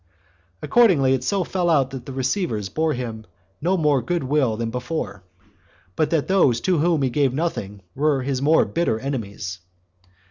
Accordingly, it so fell out that the receivers bore him no more good will than before, but that those to whom he gave nothing were his more bitter enemies.